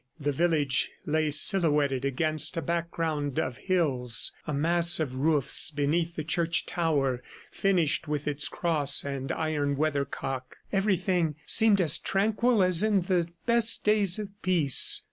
The village lay silhouetted against a background of hills a mass of roofs beneath the church tower finished with its cross and iron weather cock. Everything seemed as tranquil as in the best days of peace.